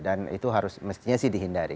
dan itu harus mestinya sih dihindari